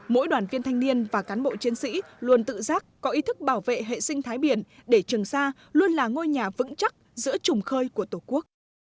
mỗi đoàn viên thanh niên và cán bộ chiến sĩ luôn tự giác có ý thức bảo vệ hệ sinh thái biển để trường sa luôn là ngôi nhà vững chắc giữa trùng khơi của tổ quốc